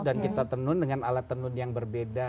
dan kita tenun dengan alat tenun yang berbeda